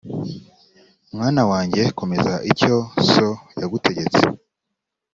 mwana wanjye komeza icyo so yagutegetse